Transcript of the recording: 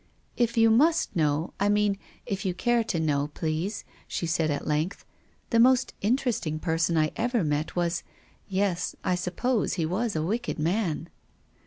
"If you must know, — I mean, if you care to know, please," she said at length, " the most interesting person I ever met was — yes, I sup pose he was a wicked man."